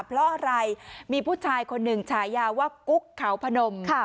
เพราะอะไรมีผู้ชายคนหนึ่งฉายาว่ากุ๊กเขาพนม